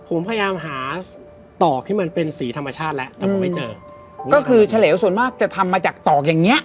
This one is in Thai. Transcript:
ผมพยายามหาตอกที่มันเป็นสีธรรมชาติแล้วแต่ผมไม่เจอก็คือเฉลวส่วนมากจะทำมาจากตอกอย่างเงี้